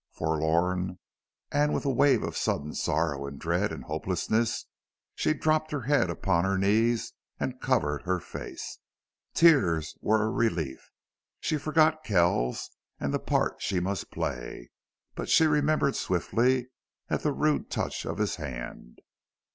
Forlorn, and with a wave of sudden sorrow and dread and hopelessness, she dropped her head upon her knees and covered her face. Tears were a relief. She forgot Kells and the part she must play. But she remembered swiftly at the rude touch of his hand.